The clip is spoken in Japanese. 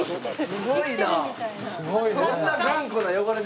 すごいね。